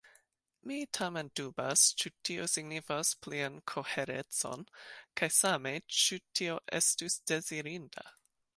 Mi tamen dubas, ĉu tio signifas plian koherecon, kaj same, ĉu tio estus dezirinda.